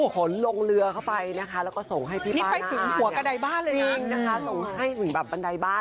คนลงเรือก็ไปนะคะแล้วก็ส่งให้พี่บ้านอ้าน